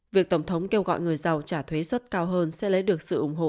việc tổng thống kêu gọi người giàu trả thuế xuất cao hơn sẽ lấy được sự ủng hộ